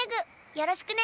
よろしくね！